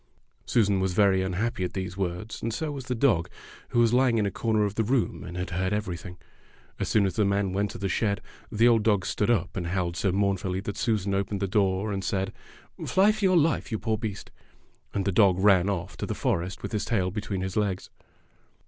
Susan was very unhappy at these words, and so was the dog, who was lying in a corner of the room and had heard everything. As soon as the man went to the shed, the old dog stood up and howled so mournfully that Susan opened the door, and said, "Fly for your life, you poor beast." And the dog ran off to the forest with his tail between his legs.